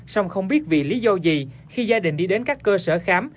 song không biết vì lý do gì khi gia đình đi đến các cơ sở khám